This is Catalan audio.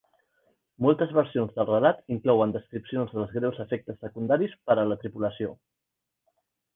Moltes versions del relat inclouen descripcions dels greus efectes secundaris per a la tripulació.